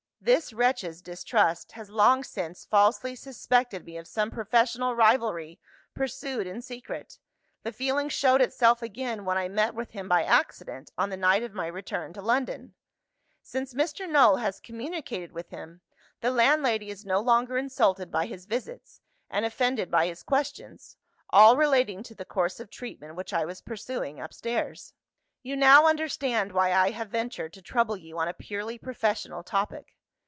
This wretch's distrust has long since falsely suspected me of some professional rivalry pursued in secret; the feeling showed itself again, when I met with him by accident on the night of my return to London. Since Mr. Null has communicated with him, the landlady is no longer insulted by his visits, and offended by his questions all relating to the course of treatment which I was pursuing upstairs. "You now understand why I have ventured to trouble you on a purely professional topic.